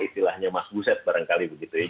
istilahnya mas guset barangkali begitu